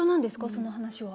その話は。